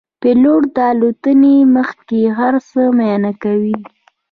پیلوټ د الوتنې مخکې هر څه معاینه کوي.